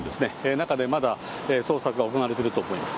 中でまだ捜査が行われてると思います。